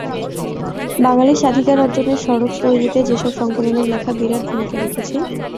বাঙালির স্বাধিকার অর্জনের সড়ক তৈরিতে সেসব সংকলনের লেখা বিরাট ভূমিকা রেখেছে।